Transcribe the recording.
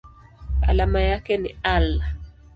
Alama yake ni Al.